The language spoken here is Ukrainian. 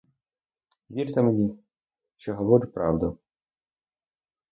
Вірте мені, що говорю правду!